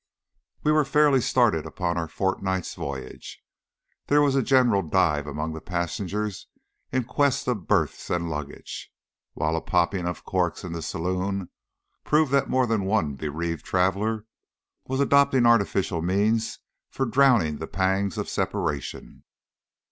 We were fairly started upon our fortnight's voyage. There was a general dive among the passengers in quest of berths and luggage, while a popping of corks in the saloon proved that more than one bereaved traveller was adopting artificial means for drowning the pangs of separation.